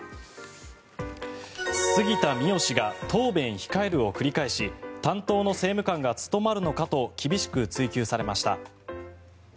杉田水脈氏が答弁控えるを繰り返し担当の政務官が務まるのかと厳しく追及されました。